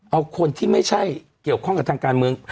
เอาคนที่ไม่ใช่เกี่ยวข้องกับทางการเมือง